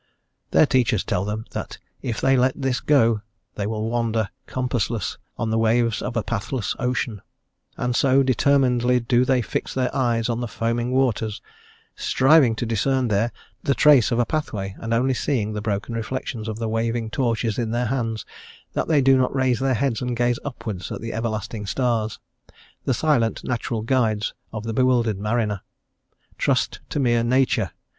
Their teachers tell them that if they let this go they will wander compassless on the waves of a pathless ocean; and so determinedly do they fix their eyes on the foaming waters, striving to discern there the trace of a pathway and only seeing the broken reflections of the waving torches in their hands, that they do not raise their heads and gaze upwards at the everlasting stars, the silent natural guides of the bewildered mariner. "Trust to mere nature!"